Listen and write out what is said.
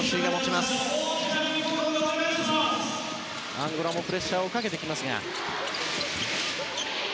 アンゴラもプレッシャーをかけてくる。